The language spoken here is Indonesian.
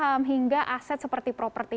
saham hingga aset seperti properti